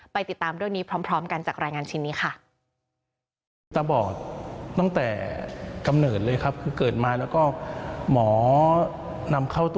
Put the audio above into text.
ติดตามเรื่องนี้พร้อมกันจากรายงานชิ้นนี้ค่ะ